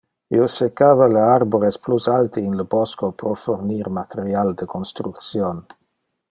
Io secava le arbores plus alte in le bosco pro fornir material de construction.